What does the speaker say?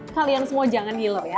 kalian semua jangan healer ya